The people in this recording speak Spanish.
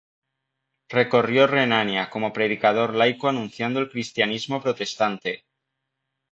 Recorrió Renania como predicador laico anunciando el cristianismo protestante.